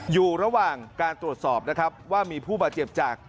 อยู่ระหว่างการตรวจสอบนะครับว่ามีผู้บาดเจ็บจาก